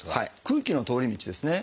空気の通り道ですね。